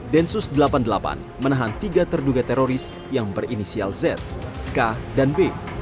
densus delapan puluh delapan menahan tiga terduga teroris yang berinisial z k dan b